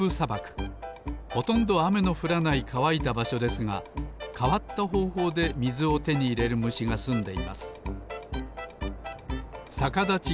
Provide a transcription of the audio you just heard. ほとんどあめのふらないかわいたばしょですがかわったほうほうでみずをてにいれるむしがすんでいます